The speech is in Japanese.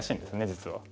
実は。